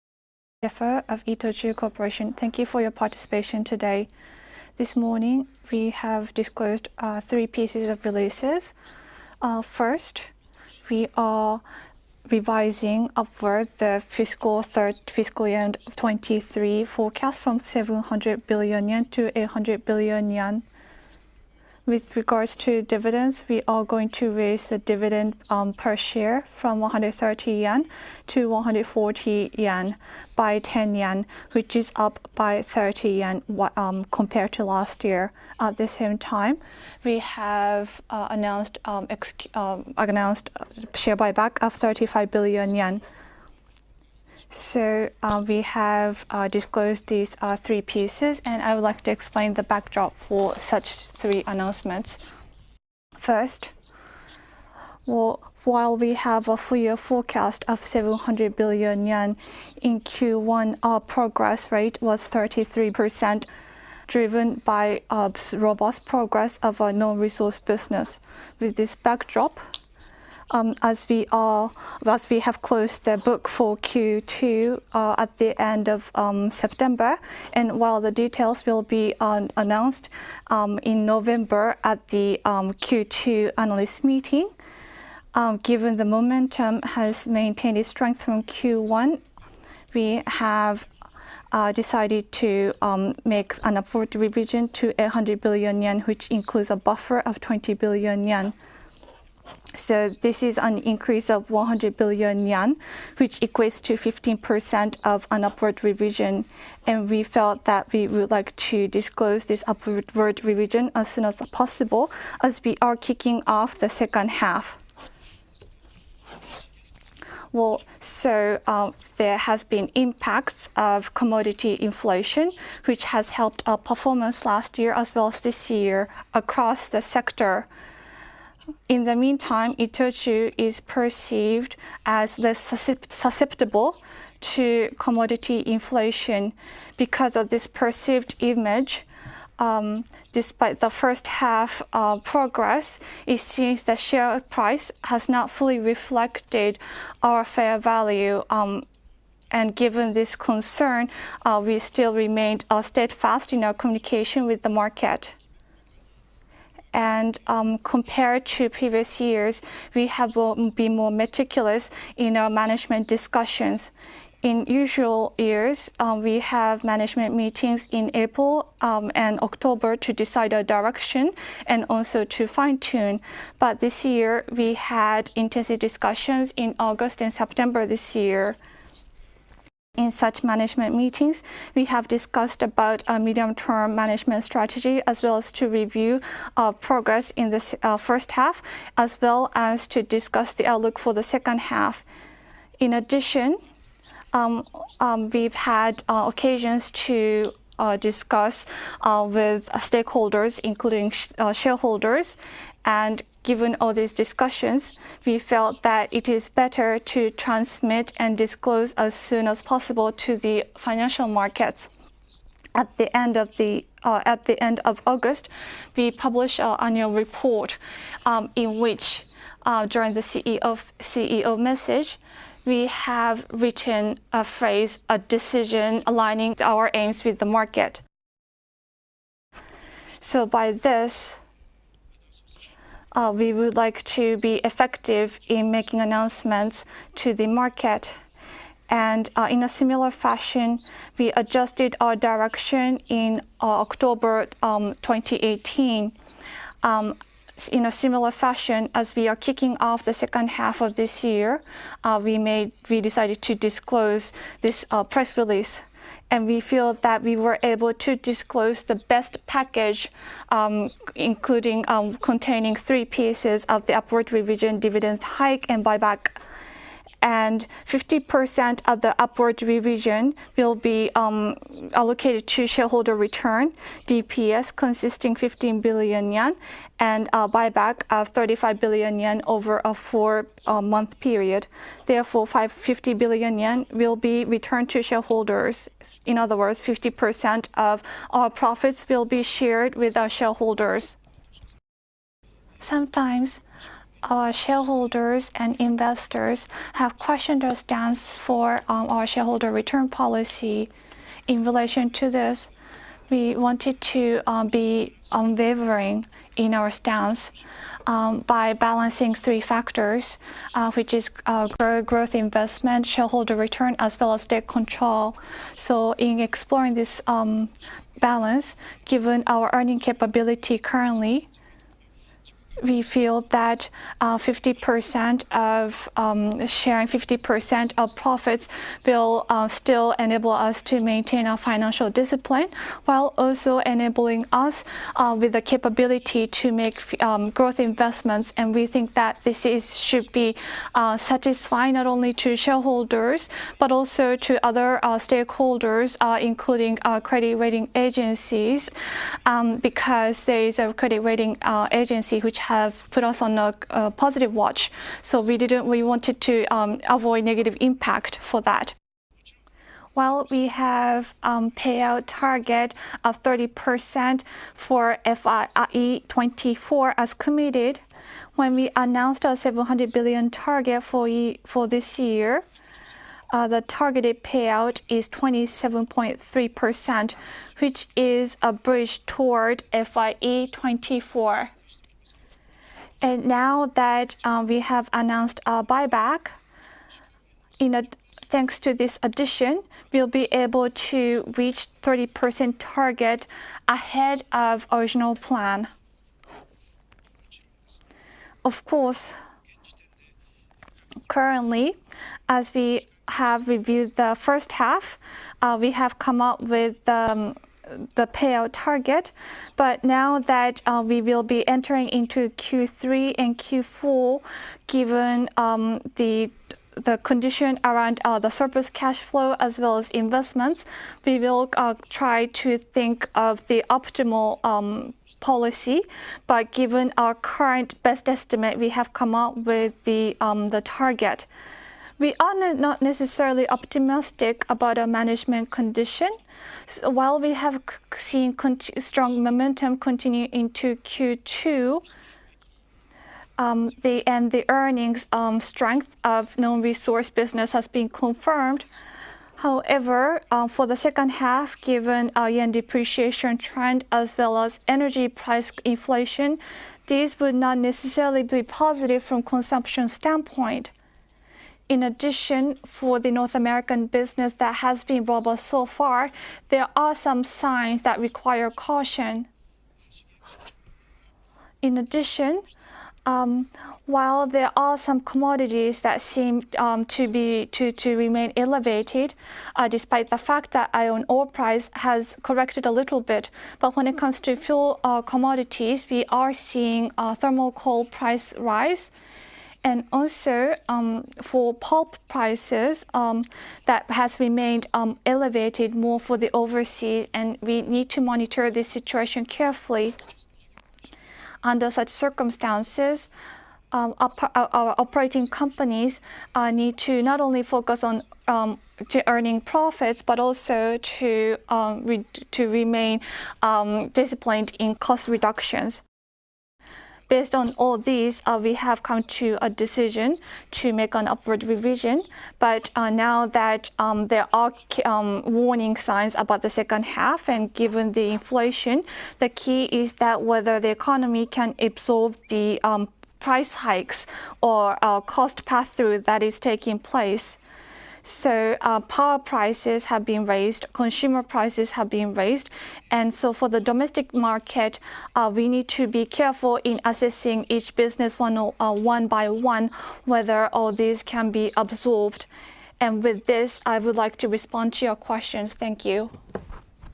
of ITOCHU Corporation. Thank you for your participation today. This morning, we have disclosed three pieces of releases. First, we are revising upward the fiscal year end 2023 forecast from 700 billion yen to 800 billion yen. With regards to dividends, we are going to raise the dividend per share from 130 yen to 140 yen, by 10 yen, which is up by 30 yen compared to last year. At the same time, we have announced share buyback of 35 billion yen. We have disclosed these three pieces, and I would like to explain the backdrop for such three announcements. First, while we have a full-year forecast of 700 billion yen, in Q1, our progress rate was 33%, driven by robust progress of our non-resource business. With this backdrop, as we have closed the book for Q2 at the end of September, and while the details will be announced in November at the Q2 analyst meeting, given the momentum has maintained its strength from Q1, we have decided to make an upward revision to 800 billion yen, which includes a buffer of 20 billion yen. This is an increase of 100 billion yen, which equates to 15% of an upward revision. We felt that we would like to disclose this upward revision as soon as possible, as we are kicking off the second half. There has been impacts of commodity inflation, which has helped our performance last year as well as this year across the sector. In the meantime, ITOCHU is perceived as less susceptible to commodity inflation. Because of this perceived image, despite the first half progress, it seems the share price has not fully reflected our fair value. Given this concern, we still remained steadfast in our communication with the market. Compared to previous years, we have been more meticulous in our management discussions. In usual years, we have management meetings in April and October to decide our direction and also to fine-tune, but this year we had intensive discussions in August and September this year. In such management meetings, we have discussed about our medium-term management strategy, as well as to review our progress in this first half, as well as to discuss the outlook for the second half. In addition, we've had occasions to discuss with stakeholders, including shareholders. Given all these discussions, we felt that it is better to transmit and disclose as soon as possible to the financial markets. At the end of August, we publish our annual report, in which, during the CEO message, we have written a phrase, "A decision aligning our aims with the market." By this, we would like to be effective in making announcements to the market. In a similar fashion, we adjusted our direction in October 2018. In a similar fashion, as we are kicking off the second half of this year, we decided to disclose this press release, and we feel that we were able to disclose the best package, containing three pieces of the upward revision, dividends hike, and buyback. 50% of the upward revision will be allocated to shareholder return, DPS consisting 15 billion yen, and a buyback of 35 billion yen over a four-month period. Therefore, 50 billion yen will be returned to shareholders. In other words, 50% of our profits will be shared with our shareholders. Sometimes our shareholders and investors have questioned our stance for our shareholder return policy. In relation to this, we wanted to be unwavering in our stance by balancing three factors, which is growth investment, shareholder return, as well as debt control. In exploring this balance, given our earning capability currently, we feel that sharing 50% of profits will still enable us to maintain our financial discipline, while also enabling us with the capability to make growth investments. We think that this should be satisfying, not only to shareholders, but also to other stakeholders, including our credit rating agencies, because there is a credit rating agency which has put us on a positive watch. We wanted to avoid negative impact for that. Well, we have payout target of 30% for FY 2024 as committed when we announced our 700 billion target for this year. The targeted payout is 27.3%, which is a bridge toward FY 2024. Now that we have announced our buyback, thanks to this addition, we will be able to reach 30% target ahead of original plan. Of course, currently, as we have reviewed the first half, we have come up with the payout target. Now that we will be entering into Q3 and Q4, given the condition around the surplus cash flow as well as investments, we will try to think of the optimal policy. Given our current best estimate, we have come up with the target. We are not necessarily optimistic about our management condition. While we have seen strong momentum continue into Q2, and the earnings strength of non-resource business has been confirmed. However, for the second half, given our yen depreciation trend as well as energy price inflation, these would not necessarily be positive from consumption standpoint. In addition, for the North American business that has been robust so far, there are some signs that require caution. In addition, while there are some commodities that seem to remain elevated, despite the fact that iron ore price has corrected a little bit. When it comes to fuel commodities, we are seeing thermal coal price rise, and also for pulp prices, that has remained elevated more for the overseas, and we need to monitor the situation carefully. Under such circumstances, our operating companies need to not only focus on earning profits, but also to remain disciplined in cost reductions. Based on all these, we have come to a decision to make an upward revision. Now that there are warning signs about the second half, and given the inflation, the key is that whether the economy can absorb the price hikes or cost pass-through that is taking place. Power prices have been raised, consumer prices have been raised, for the domestic market, we need to be careful in assessing each business one by one, whether all these can be absorbed. With this, I would like to respond to your questions. Thank you.